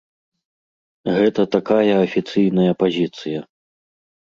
Гэта такая афіцыйная пазіцыя.